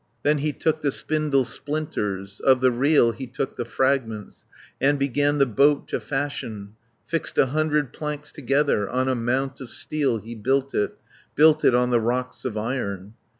Then he took the spindle splinters, Of the reel he took the fragments, 140 And began the boat to fashion, Fixed a hundred planks together, On a mount of steel he built it, Built it on the rocks of iron.